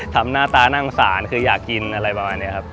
หน้าตานั่งสารคืออยากกินอะไรประมาณนี้ครับ